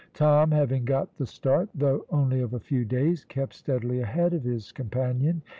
Tom, having got the start, though only of a few days, kept steadily ahead of his companion.